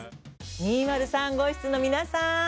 ２０３号室の皆さん！